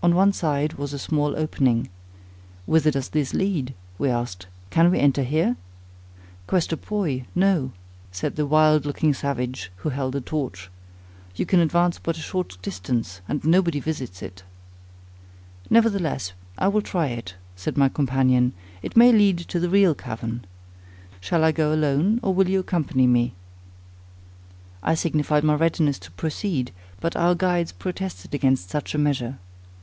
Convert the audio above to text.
On one side was a small opening. Whither does this lead? we asked: can we enter here?—"Questo poi, no,"—said the wild looking savage, who held the torch; "you can advance but a short distance, and nobody visits it." "Nevertheless, I will try it," said my companion; "it may lead to the real cavern. Shall I go alone, or will you accompany me?" I signified my readiness to proceed, but our guides protested against such a measure.